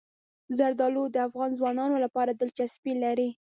زردالو د افغان ځوانانو لپاره دلچسپي لري.